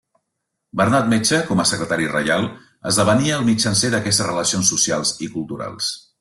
Bernat Metge, com a secretari reial, esdevenia el mitjancer d'aquestes relacions socials i culturals.